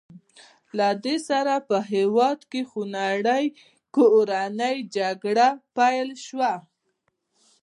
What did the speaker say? له دې سره په هېواد کې خونړۍ کورنۍ جګړه پیل شوه.